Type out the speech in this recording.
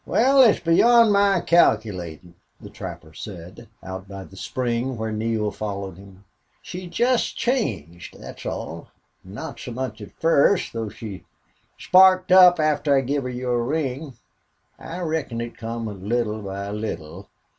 "Wal, it's beyond my calculatin'," the trapper said, out by the spring, where Neale followed him. "She jest changed thet's all. Not so much at first, though she sparked up after I give her your ring. I reckon it come little by little.